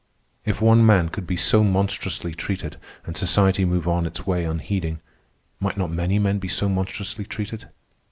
If one man could be so monstrously treated and society move on its way unheeding, might not many men be so monstrously treated?